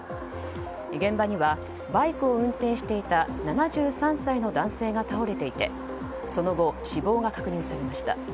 現場にはバイクを運転していた７３歳の男性が倒れていてその後、死亡が確認されました。